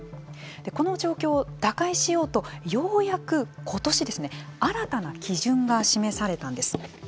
この状況を打開しようとようやく今年ですね新たな基準が示されたんです。